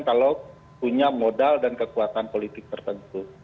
kalau punya modal dan kekuatan politik tertentu